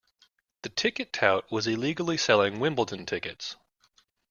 The ticket tout was illegally selling Wimbledon tickets